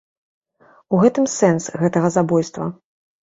У гэтым сэнс гэтага забойства.